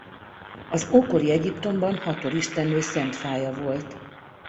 Az ókori Egyiptomban Hathor istennő szent fája volt.